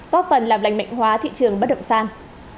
góp phần làm lành mạnh hóa thị trường bất động sản